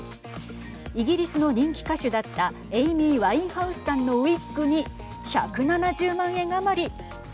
イギリスの人気歌手だったエイミー・ワインハウスさんのウイッグに１７０万円余り。